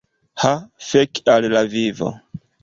Ha fek al la vivo!